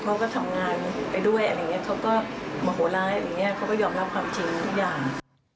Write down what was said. พ่อก็ทำงานไปด้วยอะไรอย่างนี้เขาก็เหมาะโหร้อย่างนี้เขาก็ยอมรับความจริงทุกอย่าง